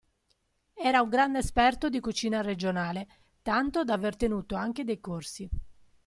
Era un grande esperto di cucina regionale, tanto da aver tenuto anche dei corsi.